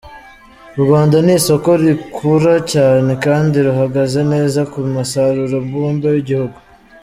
u Rwanda ni isoko rikura cyane kandi ruhagaze neza ku musaruro mbumbe w’igihugu.